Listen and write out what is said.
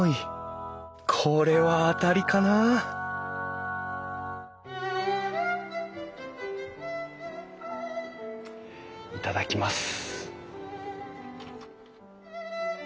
これは当たりかな頂きます。